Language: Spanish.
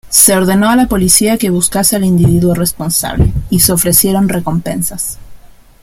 Se ordenó a la policía que buscase al individuo responsable, y se ofrecieron recompensas.